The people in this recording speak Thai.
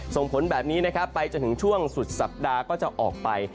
ส่งผลแบบนี้นะครับไปจนถึงช่วงสุดสัปดาห์ก็จะออกไป